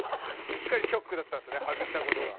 しっかりショックだったんすね外したことが。